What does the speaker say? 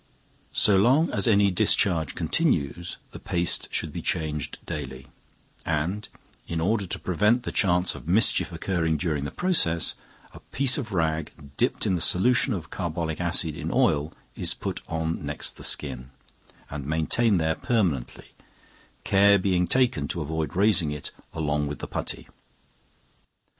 So long as any discharge continues, the paste should be changed daily, and, in order to prevent the chance of mischief occurring during the process, a piece of rag dipped in the solution of carbolic acid in oil is put on next the skin, and maintained there permanently, care being taken to avoid raising it along with the putty.